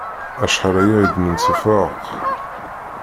Acḥal aya i d-nemsefraq.